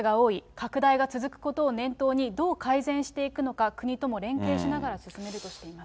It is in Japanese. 拡大が続くことを念頭に、どう改善していくのか、国とも連携しながら進めるとしています。